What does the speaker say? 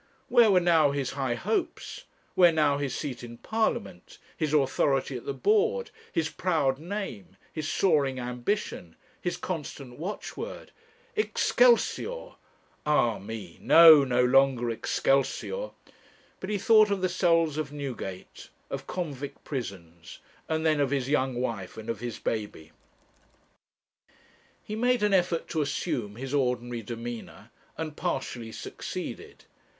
Where were now his high hopes, where now his seat in Parliament, his authority at the board, his proud name, his soaring ambition, his constant watchword? 'Excelsior' ah me no! no longer 'Excelsior'; but he thought of the cells of Newgate, of convict prisons, and then of his young wife and of his baby. He made an effort to assume his ordinary demeanour, and partially succeeded.